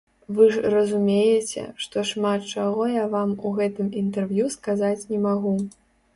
Вы ж разумееце, што шмат чаго я вам у гэтым інтэрв'ю сказаць не магу.